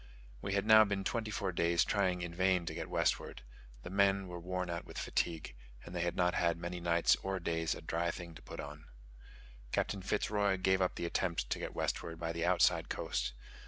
We had now been twenty four days trying in vain to get westward; the men were worn out with fatigue, and they had not had for many nights or days a dry thing to put on. Captain Fitz Roy gave up the attempt to get westward by the outside coast.